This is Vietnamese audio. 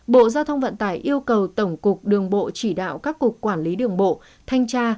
bộ giao thông vận tải yêu cầu tổng cục đường bộ chỉ đạo các cục quản lý đường bộ thanh tra